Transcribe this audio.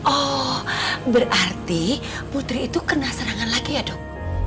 oh berarti putri itu kena serangan lagi ya dok